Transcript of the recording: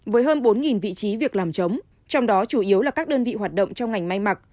với hơn bốn vị trí việc làm chống trong đó chủ yếu là các đơn vị hoạt động trong ngành may mặc